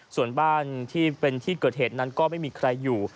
ส่วนบ้านที่เป็นที่เกิดเหตุนั้นก็ไม่มีใครอยู่